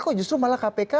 kok justru malah kpk